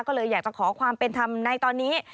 ก็เลยอยากจะขอความเป็นธรรมในตอนนี้